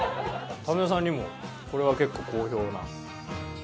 民生さんにもこれは結構好評な。